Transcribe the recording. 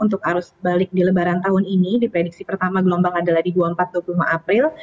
untuk arus balik di lebaran tahun ini diprediksi pertama gelombang adalah di dua puluh empat dua puluh lima april